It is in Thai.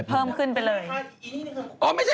เพิ่มขึ้นไปเลย